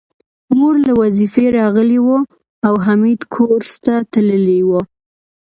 مور له وظيفې راغلې وه او حميد کورس ته تللی و